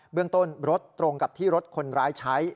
เรื่องต้นรถตรงกับที่รถคนร้ายใช้